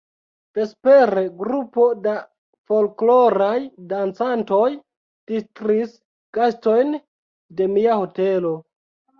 Vespere grupo da folkloraj dancantoj distris gastojn de mia hotelo.